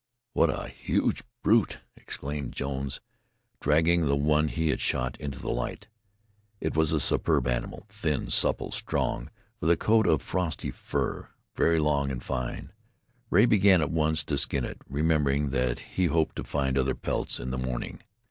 "What a huge brute!" exclaimed Jones, dragging the one he had shot into the light. It was a superb animal, thin, supple, strong, with a coat of frosty fur, very long and fine. Rea began at once to skin it, remarking that he hoped to find other pelts in the morning.